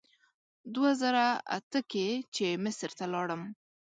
دوه زره اته کې چې مصر ته لاړم.